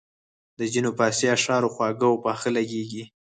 د ځینو فارسي اشعار خواږه او پاخه لګیږي.